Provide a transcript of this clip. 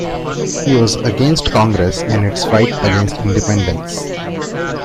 He was against Congress and its fight against independence.